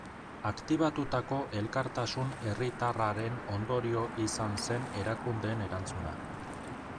Aktibatutako elkartasun herritarraren ondorio izan zen erakundeen erantzuna.